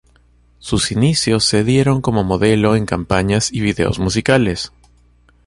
Sus inicios se dieron como modelo en campañas y videos musicales.